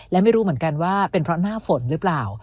และไม่รู้เหมือนกันว่าเป็นเพราะหน้าฝนหรือเปล่า